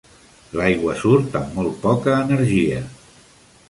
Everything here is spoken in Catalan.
L'aigua surt amb molt poca energia.